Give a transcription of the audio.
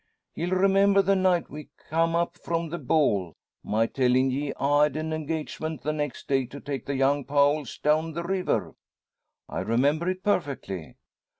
Ye'll remember the night we come up from the ball, my tellin' ye I had an engagement the next day to take the young Powells down the river?" "I remember it perfectly."